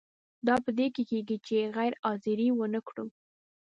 دا په دې کیږي چې غیر حاضري ونه کړو.